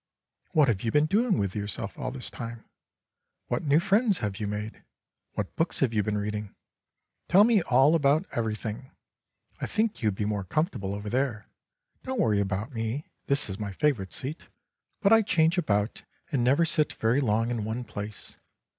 What have you been doing with yourself all this time? What new friends have you made? What books have you been reading? Tell me all about everything. I think you would be more comfortable over there; don't worry about me, this is my favourite seat, but I change about and never sit very long in one place.